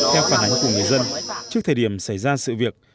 theo phản ánh của người dân trước thời điểm xảy ra sự việc